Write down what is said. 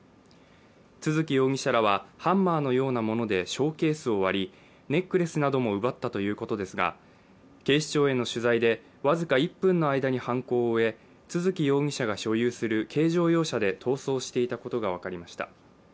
都築容疑者らはハンマーのようなものでショーケースを割り、ネックレスなども奪ったということですが警視庁への取材で、僅か１分の間に犯行を終え都築容疑者が所有する軽乗用車で逃走していたことが分かりました。